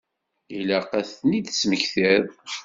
Ilaq ad ten-id-tesmektiḍ.